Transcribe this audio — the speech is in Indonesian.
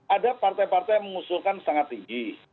ada partai partai yang mengusulkan sangat tinggi